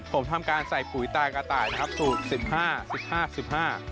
ผมทำการใส่ปุ๋ยตรากระต่ายนะครับสูตร๑๕๑๕๑๕